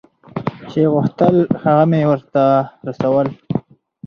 چې غوښتل هغه مې ورته رسول.